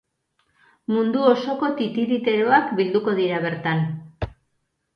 Mundu osoko titiriteroak bilduko dira bertan.